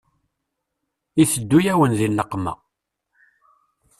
Iteddu-yawen di nneqma.